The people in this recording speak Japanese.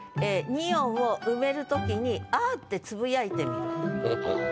２音を埋める時に「嗚呼」ってつぶやいてみる。